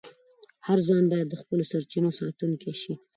هر ځوان باید د خپلو سرچینو ساتونکی شي.